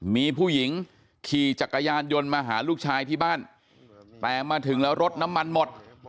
มีผู้หญิงขี่จักรยานยนต์มาหาลูกชายที่บ้านแต่มาถึงแล้วรถน้ำมันหมด